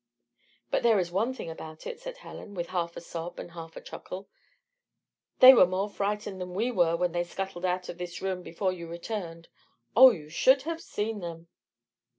"But there is one thing about it," said Helen, with half a sob and half a chuckle. "They were more frightened than we were when they scuttled out of this room before you returned. Oh! you should have seen them."